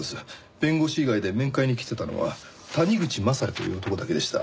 弁護士以外で面会に来てたのは谷口雅也という男だけでした。